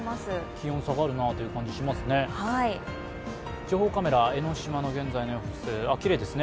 気温下がるなという感じ、しますね。